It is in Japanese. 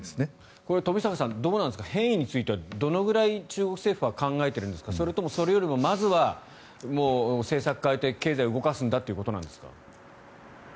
これは冨坂さん変異についてはどれぐらい中国政府は考えているんですかそれとも、それよりもまずは政策を変えて経済を動かすんだということですか？